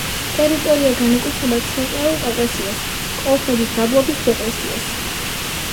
ტერიტორია განეკუთვნება ცენტრალურ კავკასიას, კოლხეთის დაბლობის დეპრესიას